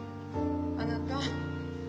あなた。